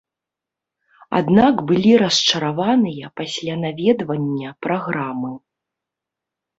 Аднак былі расчараваныя пасля наведвання праграмы.